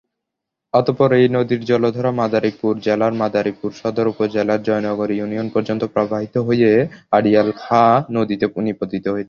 অতঃপর এই নদীর জলধারা মাদারীপুর জেলার মাদারীপুর সদর উপজেলার জয়নগর ইউনিয়ন পর্যন্ত প্রবাহিত হয়ে আড়িয়াল খাঁ নদীতে নিপতিত হয়েছে।